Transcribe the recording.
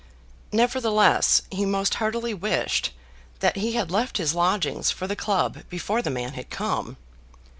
Nevertheless he most heartily wished that he had left his lodgings for the club before the man had come.